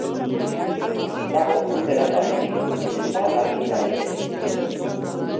Ez dago ur edangarririk, ezta argindarrik ere.